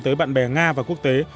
tới bạn bè nga và quốc tế